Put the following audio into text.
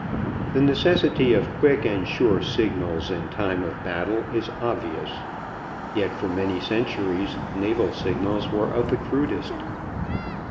The necessity of quick and sure signals in time of battle is obvious. Yet for many centuries naval signals were of the crudest.